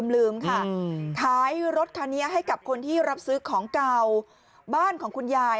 ลืมค่ะขายรถคันนี้ให้กับคนที่รับซื้อของเก่าบ้านของคุณยาย